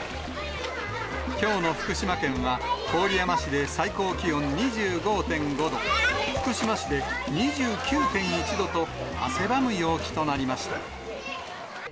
きょうの福島県は、郡山市で最高気温２５．５度、福島市で２９．１度と、汗ばむ陽気となりました。